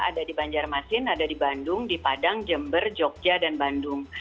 ada di banjarmasin ada di bandung di padang jember jogja dan bandung